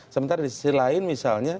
sementara di sisi lain misalnya